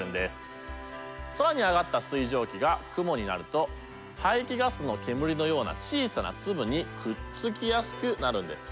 空に上がった水蒸気が雲になると排気ガスの煙のような小さな粒にくっつきやすくなるんです。